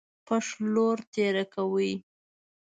پښ لور تېره کوي.